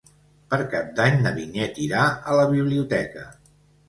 Per Cap d'Any na Vinyet irà a la biblioteca.